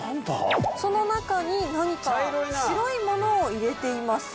その中に何か白いものを入れています。